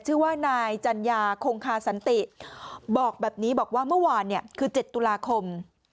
ชื่อว่านายจัญญาคงคาสันติบอกแบบนี้บอกว่าเมื่อวานเนี่ยคือ๗ตุลาคม